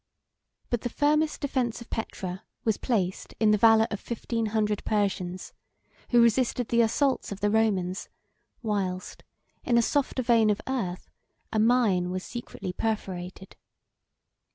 But the firmest defence of Petra was placed in the valor of fifteen hundred Persians, who resisted the assaults of the Romans, whilst, in a softer vein of earth, a mine was secretly perforated.